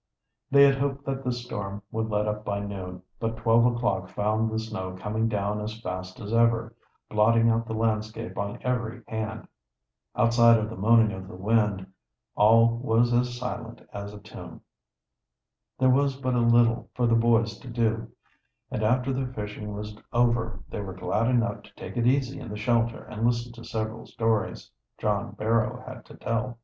They had hoped that the storm would let up by noon, but twelve o'clock found the snow coming down as fast as ever, blotting out the landscape on every hand. Outside of the moaning of the wind all was as silent as a tomb. There was but a little for the boys to do, and after the fishing was over they were glad enough to take it easy in the shelter and listen to several stories John Barrow had to tell.